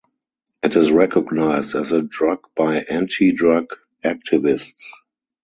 It is recognized as a drug by anti-drug activists.